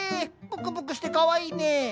プクプクしてかわいいね。